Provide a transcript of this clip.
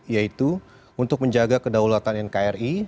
yaitu untuk menjaga kedaulatan nkri